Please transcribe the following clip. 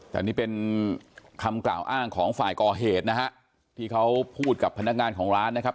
แต่นี่เป็นคำกล่าวอ้างของฝ่ายก่อเหตุนะฮะที่เขาพูดกับพนักงานของร้านนะครับ